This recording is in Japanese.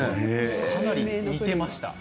かなり似ていました。